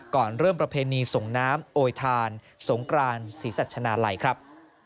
ก่อนเริ่มประเพณีส่งน้ำโอยทานสงกรานศรีสัชนาลัยครับ